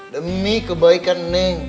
demi kebaikan neng